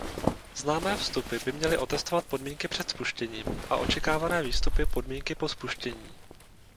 Známé vstupy by měly otestovat podmínky před spuštěním a očekávané výstupy podmínky po spuštění.